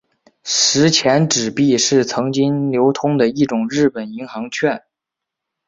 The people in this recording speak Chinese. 十钱纸币是曾经流通的一种日本银行券。